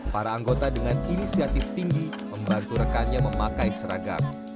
para anggota dengan inisiatif tinggi membantu rekannya memakai seragam